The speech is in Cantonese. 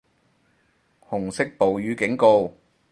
紅色暴雨警告